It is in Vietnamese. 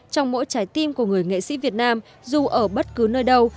trong mỗi trái tim của người nghệ sĩ việt nam dù ở bất cứ nơi đâu